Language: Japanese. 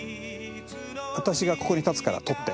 私がここに立つから撮って。